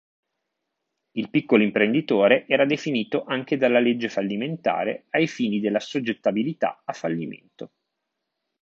Il piccolo imprenditore era definito anche dalla legge fallimentare ai fini dell'assoggettabilità a fallimento.